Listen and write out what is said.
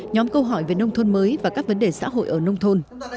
nhóm câu hỏi về nông thôn mới và các vấn đề xã hội ở nông thôn